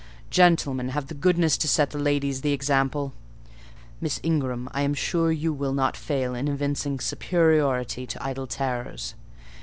Gentlemen, have the goodness to set the ladies the example. Miss Ingram, I am sure you will not fail in evincing superiority to idle terrors.